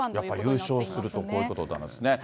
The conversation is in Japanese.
やっぱ優勝すると、こういうことになるんですね。